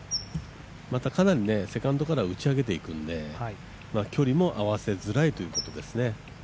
また、かなりセカンドから打ち上げていくので、距離も合わせづらいということですね。